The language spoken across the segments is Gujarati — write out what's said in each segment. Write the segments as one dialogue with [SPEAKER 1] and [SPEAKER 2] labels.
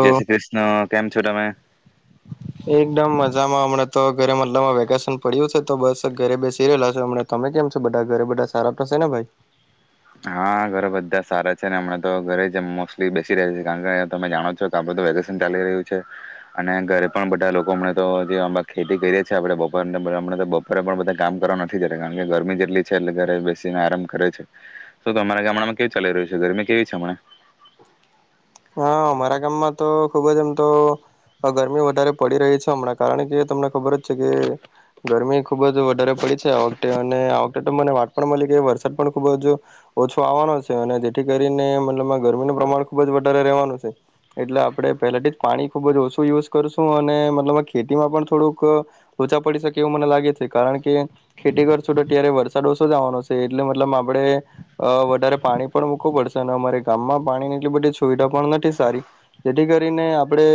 [SPEAKER 1] જય શ્રી કૃષ્ણ કેમ છો તમે
[SPEAKER 2] એકદમ મજામાં અમણે તો ઘરે મતલબમાં વેકેશન પડ્યું છે તો બસ ઘરે બેસી રહેલા છે અમણા તમે કેમ છો બધા ઘરે બધા સારા થશે ને ભાઈ
[SPEAKER 1] હા ઘરે બધા સારા છે ને હમણાં તો ઘરે જ મોસ્ટલી બેસી રહ્યા છે કારણ કે તમે જાણો છો કે આપડે તો વેકેશન ચાલી રહ્યું છે અને ઘરે પણ બધા લોકો હમણે તો જે ખેતી કરીએ છે આપણે બપોરે નેમ તો બપોરે પણ બધા કામ કરવા નથી જ કારણ કે ગરમી જેટલી છે એટલે ઘરે બેસીને આરામ કરે છે. શુ તમારા ગામડામાં કેવું ચાલી રહ્યું છે ગરમી કેવી છે હમણા
[SPEAKER 2] હા અમારા ગામમાં તો ખુબ જ એમ તો ગરમી વધારે પડી રહી છે હમણાં કારણ કે તમને ખબર જ છે કે ગરમી ખુબ જ વધારે પડી છે આ વખતે અને આ વખતે તો મને વાત પણ મલી કે વરસાદ પણ ખુબ જ ઓછો આવવાનો છે અને જેથી કરીને મતલબમાં ગરમીનું પ્રમાણ ખુબ જ વ વધારે રેવાનું છે એટલે આપણે પેલેથી જ પાણી ખુબ જ ઓછું યુઝ કરશું અને મતલબમા ખેતીમાં પણ થોડુંક લોચા પડી શકે એવું મને લાગે છે કારણ કે ખેતી કરશું તો ત્યારે વરસાદ ઓછો જ આવાનો છે એટલે મતલબમાં આપડે અ વધારે પાણી પણ મૂકવું પડશે અને અમારે ગામમાં પાણી એટલી બધી સુવિધા પણ નથી સારી જેથી કરીને આપણે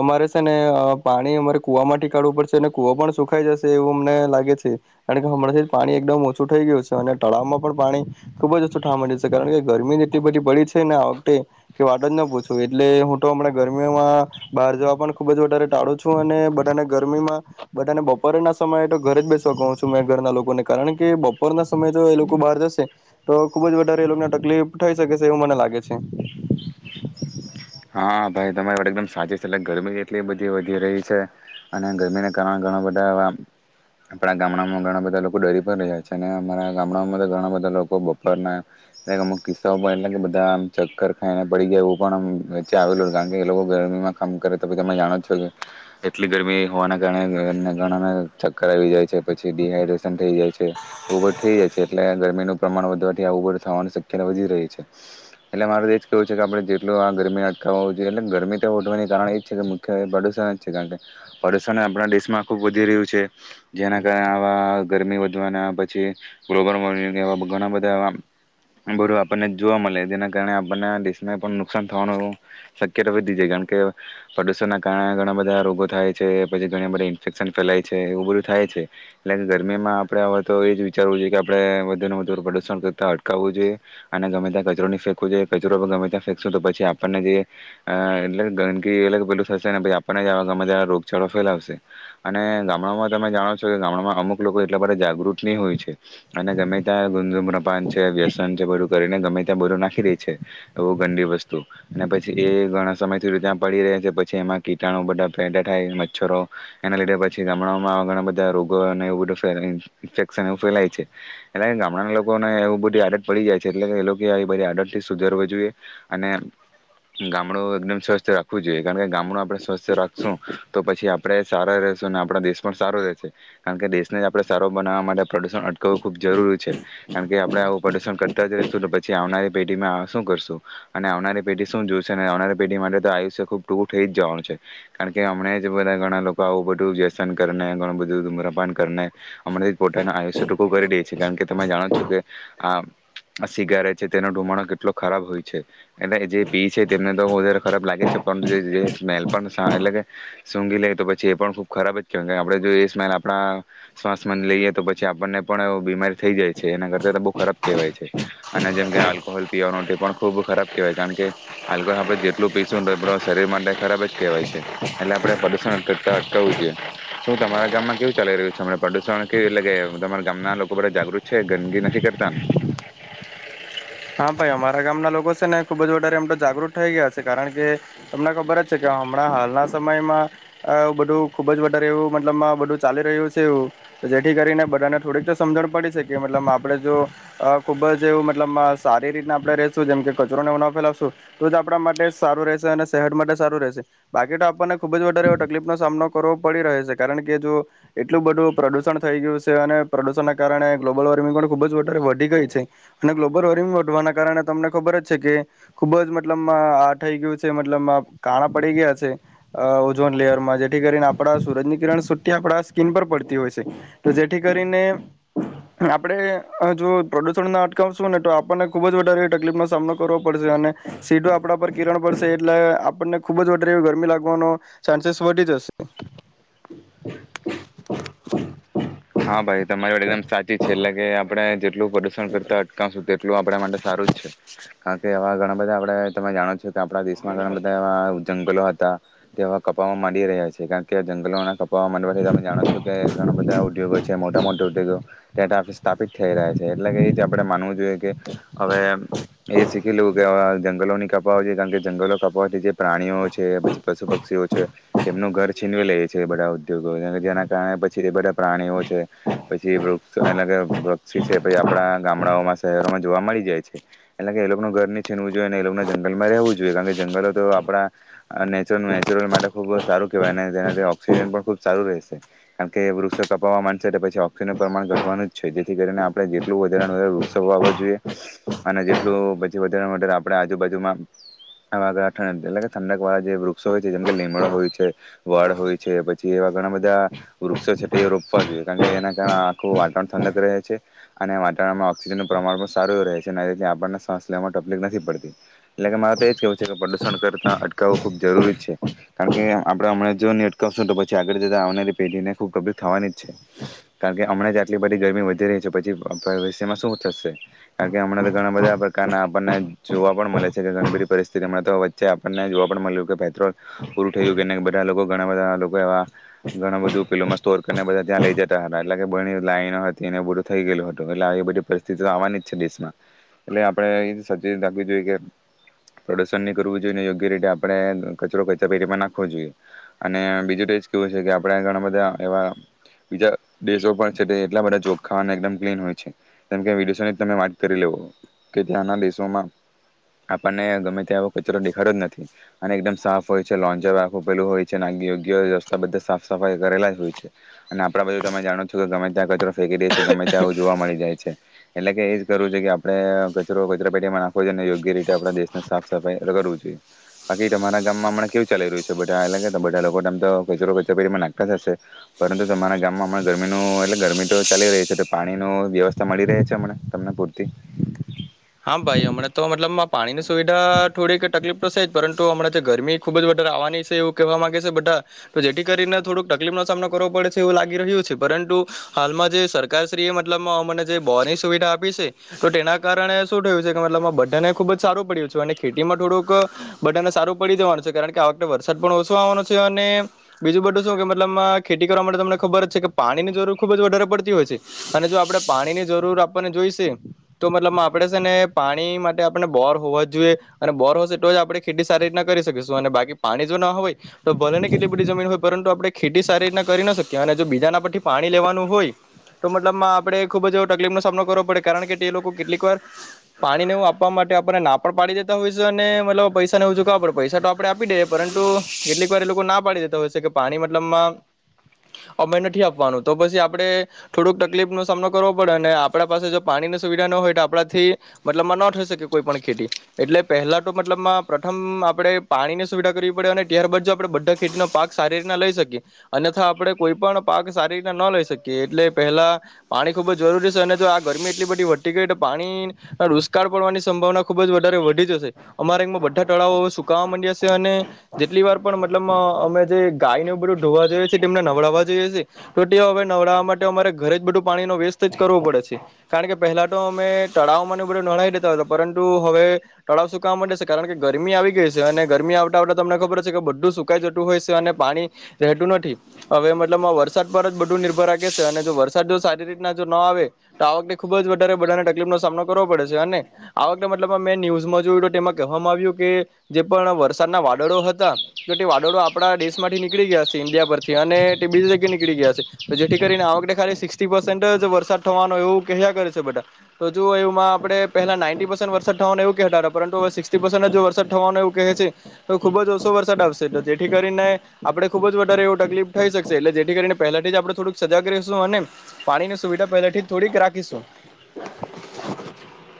[SPEAKER 2] અમારે છે ને અ પાણી અમારે કુવા માથી કાઢવું પડશે અને કુવો પણ સુખાઈ જશે એવું અમને લાગે છે કારણ કે હમણાંથી જ પાણી એકદમ ઓછું થઈ ગયું છે અને તળાવમાં પણ પાણી ખુબ જ ઓછું ઠાવા મડયુ છે કારણ કે ગરમી જેટલી બધી પડી છે ને આવખતે કે વાટ જ ન પૂછું એટલે હું તો હમણા ગરમીમાં બહાર જવા પણ ખુબ જ વધારે ટાળું છું અને બધાને ગરમીમાં બધાને બપોરેના સમયે તો ઘરે જ બેસવા કહુ છું મેં ઘરના લોકોને કારણ કે બપોરના સમયે જો એ લોકો બહાર જશે તો ખુબ જ વધારે એ લોકને તકલીફ થઈ શકે છે એવું મને લાગે છે.
[SPEAKER 1] હા ભાઈ તમારી એકદમ સાચી છે એટલે ગરમી એટલી બધી વધી રહી છે અને ગરમીને કારણે ઘણા બધા આવા આપણા ગામડામાં ઘણા બધા લોકો ડરી પણ રહ્યા છે અને અમારા ગામડામાં તો ઘણા બધા લોકો બપોરના અમુક કિસ્સાઓ પણ એટલે બધા ચક્કર ખાઈને પડી ગયા એવું પણ ચચે આવેલું કારણ કે એ લોકો ગરમીમાં કામ કરે તો ભી તમે જાણો જ છો કે એટલી ગરમી હોવાના કારણે એ ધરના ઘણાને ચક્કર આવી જાય છે પછી ડી હાઈડ્રેશન થઈ જાય છે એવું બધુ થઈ જાય છે એટલે ગરમીનું પ્રમાણ વધવાથી આવુ બધુ થવાની શક્યતા વધી રહી છે એટલે મારુ તો એ જ કહેવું છે કે આપણે જેટલું આ ગરમી ખ હોવુ જોઈએ એટલે ગરમી તો વધવાને કારણે એ જ છે કે મુખ્યત્વે પ્રદૂષણ જ છે કારણ કે પ્રદુષણ આપણા દેશમાં ખૂબ વધી રહ્યું છે. જેના કારણે આવા ગરમી વધવાના પછી ગ્લોબલ વોર્મિંગ એવા ઘણા બધા એવા બધુ આપણને જોવા મલે જેના કારણે આપણને દેશને પણ નુકસાન થવાનું શક્યતા વધી જાય કારણ કે પ્રદુષણના કારણે ઘણા બધા રોગો થાય છે પછી ઘણી બધી ઇન્ફેક્શન ફેલાય છે એવું બધું થાય છે એટલે કે ગરમીમાં આપડે હવે તો એ જ વિચારવું જોઈએ કે આપડે વધુ ને વધુ પ્રદુષણ કરતા અટકાવવું જોઈએ અને ગમે ત્યાં કચરો ની ફેકવો જોઈએ કચરો પણ ગમે ત્યાં ફેંકશું તો પછી આ આપને જે અ એટલે કે ગંદકી એટલે કે પેલું થશે ને આપણને જ ગમે તેવા રોગચાળો ફેલાવશે અને ગામડામાં તમે જાણો છો કે ગામડામાં અમુક લોકો એટલા બધા જાગૃત ની હોય છે અને ગમે ત્યાં ગુ ધુમપ્રપાન છે વ્યસન છે બધું કરીને ગમે ત્યાં બધુ નાખી દે છે એવું ગંડી વસ્તુ અને પછી એ ઘણા સમય સુધી ત્યાં પડી રહે છે પછી એમાં કીટાણુ બધા પેડા થાય મચ્છરો એના લીધે પછી ગામડાઓમાં ઘણા બધા રોગો અને એવું બધું ફેલાય ગામડું એકદમ સ્વસ્થ રાખવું જોઈએ કારણ કે ગામડું આપણે સ્વસ્થ રાખશું તો પછી આપણેે સારો રેશું અને આપણો દેશ પણ સારો રહેશે કારણ કે દેશને જ આપણે સારો બનાવવા માટે પ્રદુષણ અટકાવવું ખૂબ જરૂરી છે કારણ કે આપડે આવું પ્રદુષણ કરતા જ રેશું તો પછી આવનારી પેઢીમાં શું કરશું અને આવનારી પઢી શું જોશે આવનારી પેઢી માટે તો આયુષ્ય ખૂબ ટૂંકું થઈ જવાનું છે કારણ કે હમણેને બધા ઘણા લોકો આવું બધું વ્યસન કરણું બધું ધુમ્રપાન કરને હમણાથી પોતાનું આયુષ્ય ટૂકું કરી દે છે કારણ કે તમે જાણો છો કે આ સિગારેટ છે તેનો ધુમાણો કેટલો ખરાબ હોય છે એટલે જે પી છે તેમને તો વધારે ખરાબ લાગે છે પણ સ્મેલ પણ એટલે કે સૂંઘી લે તો પછી એ પણ ખૂબ ખરાબ જ કેહેવા આપણે જો એ સ્મેલ આપણા શ્વાસમાં લઈએ તો પછી આપણને પણ બીમારી થઈ જાય છે એના કરતા તો બો ખરાબ કહેવાય છે અને જેમ કે આલ્કોહોલ પીવાનો એ પણ ખૂબ ખરાબ કહેવાય છે કારણ કે કે આકોહોલ આપડે જેટલું પીશું તો આપડા શરીર માટે ખરાબ જ કેહેવાય છે એટલે આપડે પ્રદુષણ કરતા અટકાવું જોઈએ શું તમારા ગામમાં કેવું ચાલી રહ્યું છે પ્રદુષણ કે એટલે કે તમારા ગામના લોકોધ જાગૃત છે ગંદગી નથી કરતા ને
[SPEAKER 2] હા ભાઈ અમારા ગામના લોકો છે ને ખૂબ જ વધારે એમ તો જાગૃત થઈ ગયા છે કારણ કે તમને ખબર જ છે કે હમણાં હાલના સમયમાં અં બધું ખૂબ જ વધારે એવું મતલબમા બધું ચાલી રહ્યું છે એવું જેથી કરીને બધાને થોડીક તો સમજણ પડી છે કે મતલબમા આપણે જો અ ખૂબ જ એવું મતલબમાં સારી રીતના આપણે રેશું જેમ કે કચરો નેવુ ન ફેલાવશું તો જ આપણા માટે સારું રહેશે અને શહેદ માટે સારું રહેશે બાકી તો આપણને ખૂબ જ વધારે તકલીફનો સામનો કરવો પડી રહે છે કારણ કે જો એટલું બધું પ્રદુષણ થઈ ગયું છે અને પ્રદુષણના કારણે ગ્લોબલ વોર્મિંગ પણ ખૂબ જ વધારે વધી ગઈ છે અને ગ્લોબલ વોર્મિંગ તમને ખબર જ છે કે ખુબ જ મતલબમા આ થઈ ગયું છે મતલબ કાણા પડી ગયા છે અ ઓઝોન લેયરમાં જેથી કરીને આપડા સૂરજની કિરણ સુટી આપડા સ્કીિન પર પડતી હોય છે તો જેથી કરીને આપણે જો પ્રદુષણ ના અટકાવશું ને તો આપણને ખુબ જ વધારેવી તકલીફનો સામનો કરવો પડશે અને સીધો આપણા પર કિરણ પડશે એટલે આપણને ખુબ જ વધારે એવી ગરમી લાગવાનો ચાન્સેસ વધી જશે
[SPEAKER 1] હા ભાઈ તમારી વાત એકદમ સાચી છે એટલે કે આપણે જેટલું પ્રદૂષણ કરતા અટકાશું તેટલું આપણા માટે સારું જ છે કારણ કે આવા બધા આપડે તમે જાણો છો આપણા દેશમાં ઘણા બધા એવા જંગલો હ તા તેવા કપાવા માંડી રહ્યા છે કારણ કે જંગલોના તો મને પાસે તમે જાણો છો કે ઘણા બધા મોટા મોટ ઉગં, સ્થાપિત થઈ રહ્યા છે એટલે કે એ જ આપડે માનવું હવે એ ી લું કેવા જંગલોની કાપાવ હોય છે કારણ કે જંગલો કાવાય છે જે પ્રાણીઓ છે પછી પશુ પક્ષીઓ છે, તેમનું ઘર છીનવી લઈ છે બધા ઉદ્યોગો જેના કારણે પછી બધા પ્રાણીઓ છે, પછી વૃક્ષ એટલે કે વૃક્ષી છે પછી આપણા ગામડાઓમાં શહેરોમાં જોવા મળી જાય છે, એટલે કે એ લોકોનું ઘર છીનવું જોઈએ ને એ લોકોને જંગલમાં રહેવું જોઈએ કારણ કે જંગલો તો આપડા, નેચર નેચરલ માટે ખુબ સારું કેહેવાય તેના ઓક્સિજન પણ ખુબ સારું રહેશે, કારણ કે વૃક્ષ કપાવવા માંશે પછી ઓક્સજન પ્રમાણ ઘટવાનું જ છે જેથી કરીને આપણે જેટલું વધારે વધારે વૃક્ષો વાવો જોઈએ, અને જેટલું પછી વધારે વધારે આપણે આજુબાજુમાં એટ ઠંડક વાળા જે વૃક્ષો હોય છે જેમ કે લીમડો હોય છે. વળ હોય છે પછી એવા ઘણા બધા, વૃક્ષો છે તે રોપવા જોઈએ કારણ કે જેના કારણે આખું વાતાવરણ ઠંડક રહે છે, અને વાતાવરણમાં ઓક્સિજનનું પ્રમાણ પણ સારું એ રહે છે અનેથી આપણને શ્વાસ લેવાવામાં તકલીફ નથી પડતી, એટલે કે મારે તો એ જ કેહેવું છે કે પ્રદુષણ કરતાં અટકાવવું ખૂબ જરૂરી જ છે, કારણ કે આપણે હમણાં જો નહી અટકાવશું તો પછી આગળ જતાં આવનારી પેઢીને ખૂબ તકલીફ થવાની જ છે, કારણ કે હમણાં જે આટલી બધી ગરમી વધી રહી છે પછી ભવિષ્યમાં શું થશે, કારણ કે હમણાં તો ઘણા બધા પ્રકારના આપણને જોવા પણ મળે છે કે ઘણી બધી પરિસ્થિતિ હમણાં તો વચ્ચે આપણને જોવા પણ મળ્યું કે પેટ્રોલ, પૂરું થયું બધા લોકો ઘણા બધા લોકોવા ઘણ બધું પેલોત અને બધ ત્યાં લઈ જ હતા એટલે કે બ લાઈનો હતી બધું થઈ ગયલું હતું એટલે એ બધી પરિસ્થિતિ તો આવવાની જ છે દેશમાં, એટલે આપણે એ સાચ રાખવી જોઈએ કે પ્રદુશન ન કરવું જોઈએને યોગ્ય રીતે આપણે કચરો ક પેટીમાં નાખવો જોઈએ, અને બીજું તો એજ કેવું છે કે આપણે ઘણા બધા એવા બીજા દેશો પણ છે તે એટલા બધા જોખા ક્લીન હોય છે, કેમ કે વિદેશોની તમે વાત કરી લેવો કે ત્યાંના દેશોમાં આપણને ગમે ત્યા કચરો દેખાડો જ નથી, અને એકદમ સાફ હોય છે લોન્જરેલું હોય છે અને યોગ્ય રસ્તા બધા સાફ સફાઈ કરેલા હોય છે. અને આપડા બધું તમે જાણો છો કે ગમે ત્યાં કચ ે કરી છે ગમે ત્યાં જો મળી જાય છે. એટલે કે એજ કરવું છે કે આપણે કચરો કચરા પેટીમાં નાખવો જોઈએને યોગ્ય રીતે આપ દેશને સાફ સફાઈ કરવું જોઈએ, બાકી તમારા ગામમાં હમણા કેવું ચાલી રહ્યું છે બા એ બધા લોકોમ તો કચરો કચરા પેટીમાં નાખતા જશે. પરંતુ તમારા ગામમાં હમણાં ગરમીનું એટલે ગરમી તો ચાલી રહી છેટ પાણી ન વ્યવસ્થા મળી રહે છે હમણા તમને પૂરતી.
[SPEAKER 2] હા ભાઈઓ હમને તો મતલબ પાણીની સુવિધા થોડીક તકલીફ તો છે જ પરંતુ હમણાં જે ગરમી ખુબ જ વધારે આવવાની છે એવું કહેવા માંગે છે બધા, તો જેથી કરીને થોડોક તકલીફનો સામનો કરવો પડે છે એવું લાગી રહ્યું છે પરંતુ, હાલમાં જે સરકારશ્રી એ મતલબમાં અમને જે બોરની સુવિધા આપી છે, તો તેના કારણે લબ બટાને ખુબ જ સારું પડ્યું છે અને ખેતીમાં થોડુંક, બટનને સારું પડી દેવાનું છે કારણ કે આ વખતે વરસાદ પણ ઓછો આવવાનો છે અને બીજું બધું શું કે મતલબમાં ખેતી કરવા માટે તમને ખબર જ છે કે પાણીની જરૂર ખુબ જ વધારે પડતી હોય છે, અને જો આપણેે પાણી ની જરૂર આપણને જોઈશે તો મતલબ આપણે છે ને પાણી માટે આપણે બોર હોવા જ જોઈએ, અને બોર હશે તો જ આપણે ખેતી સારી રીતના કરી શકીશું અને બાકી પાણી જો ના હોય, તો ભલેને કેટલી બધી જમીન હોય પરંતુ આપણે ખેતી સારી રીતના કરી ના શકીએ અને જો બીજાના પરથી પાણી લેવાનું હોય, તો મતલબમાં આપણે ખૂબ જ એવો તકલીફનોો સામનો કરવો પડે કારણ કે તે લોકો કેટલીક વાર પાણીને એવું આપવા માટે આપણને ના પણ પાડી દેતા હોય છે અને મતલબ પૈસાને એવું ચૂકવ પડે પૈસા તો આપડણે આપી દઈએ પરંતુ, કેટલીક વાર એ લોકો ના પાડી દેતા હોય છે કે પાણી મતલબમાં અમે નથી આપવાનું, તો પછી આપડે થોડુંક તકલીફ નો સામનો કરવો પડે અને આપડા પાસે જો પાણીની સુવિધા ના હોય તો આપણા થી, મતલબમાં ન થઈ શકે કોઈ પણણ ખેતી, એટલે પહેલા તો મતલબમાં પ્રથમ આપણે પાણીની સુવિધા કરવી પડે અને ત્યારબાદ જો આપણે બધા ખેતીનો પાક સારી રીતના લઈ શકીએ, અન્યથા આપણે કોઈ પણ પાક સારી રીતના ન લઈ શકીએ એટલે પહેલાં, પાણી ખૂબ જ જરૂરી છે અને જો આ ગરમી એટલી બધી વધતી ગઈ તો પાણી રુષ્કાળ પડવાની સંભાવના ખુબ જ વધારે વધી જશે, અમારેમાં બધા તળાવો સુકાવા માંડ્યા છે અને જેટલી વાર પણ મતલબ અમે જે ગાય ન બધું ધોવા જોઈએ છીએ તેમને નવડાવવા જોઈએ છી, તો તે હવે નવડાવવા માટે અમારે ઘરે બધું પાણીનો વેસ્ટ જ કરવો પડે છે, કારણ કે પેલા તો અમે તળાવમાં બધું નણી લેતા હોય પરંતુ હવે તળાવ સુકાવા માટે છે કારણ કે ગરમી આવી ગઈ છે અને ગરમી આવતા આવતા તમને ખબર હશે, કે બધું સુકાઈ જતું હોય છે અને પાણી, રહેતું નથી હવે મતલબ વરસાદ પર જ બધું નિર્ભર રાખે છે અને જો વરસાદ જો સારી રીતના જો ન આવે, તો આ વખતે ખુબ જ વધારે બધાને તકલીફ આ વખતે મતલબ મેં ન્યૂઝમાં જોયું તેમાં કહેવામાં આવ્યું કે, જે પણ વરસાદના વાદળો હતા તો તે વાદળો આપણા દેશ થી નીકળી ગયા છે ઈન્ડિયા પરથી અને તે બીજી જગ્યા નીકળી ગયા છે, જેથી કરીને આ વખતે ખાલી સિક્ પસે જ વરસાદ થવાનો એવું કહ્યા કરે છે બધા. તો જો એમાં આપણે પહેલા નાઇન્ટી પર્સેન્ટ વરસાદ થવાનુંને એવું કહેતા પરંતુ હવે સિક્સટી પર્સેન્ટ જ જો વરસાદ થવાનું એવું કહે છે, તો ખૂબ જ ઓછો વરસાદ આવશે તો જેથી કરીને, આપણે ખૂબ જ વધારે એવું તકલીફ થઈ શકશે એટલે જેથી કરીને પહેલાથી જ આપણે થોડીક સજાગ રહીશું અને, પાણીની સુવિધા પહેલાથી જ થોડીક રાખીશું.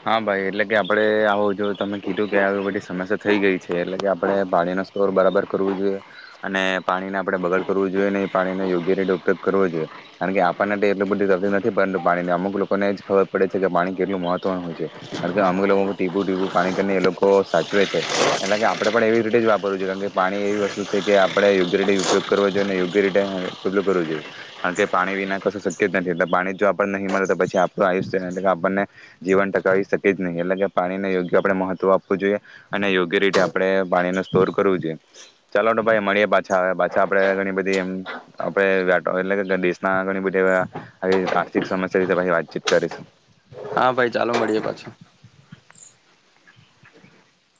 [SPEAKER 1] હા ભાઈ એટલે કે આપડે આવ જો તમે કીધું કે આવી બધી સમસ્યા થઈ ગઈ છે એટલે કે આપડણે પાણી ન સ્તર બરાબર કરવું જોઈએ, અને પાણીને આપડણે બગડ કરવું જોઈએ ને પાણીનો યોગ્ય રીતે ઉપયોગ કરવો જોઈએ, કારણ કે આપણને માટે એટલી બધી તકલીફ નથી પરંતુ પાણીને અમુક લોકોને જ ખબર પડે છે કે પાણી કેટલું મહત્ ત્વ હોય છે. કારણ કે અમુક લોકો ટીબુ ટીબુ પાણી કરીને એ લોકો ચવે છે, એટલે કે આપણે પણ એવી રીતે જ વાપરવું જોઈએ કારણ કે પાણી એવી વસ્તુ છે કે આપણે યોગ્ય રીતે ઉપયોગ કરવો જોઈએ ને યોગ્ય રીતે ઉપયોગ કરવો જોઈએ, કારણ કે પાણી વિના કશું શક્ય જ નથી એટલે પાણી જો આપને નહીં મળે તો પછી આપણું આયુષ્ય એટલે કે આપણને જીવન ટકાવી શકી જ નહી એટલે કે પાણીને યોગ્ય આપણે મહત્વ આપવું જોઈએ, અને યોગ્ય રીતે આપણે પાણીને સ્ટોર કરવું જોઈએ, ચાલો ભાઈ મળીએ પાછા પાછા આપણે ઘણી બધી આપણે એટલે દેશનાણી બધી, આર્થિક સમસ્યા વિશેી વાતચીત કરીશું.
[SPEAKER 2] હા ભાઈ ચાલો મળીએ પાછું.